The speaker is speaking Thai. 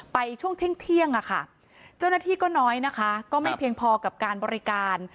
ช่วงเที่ยงเจ้าหน้าที่ก็น้อยนะคะก็ไม่เพียงพอกับการบริการ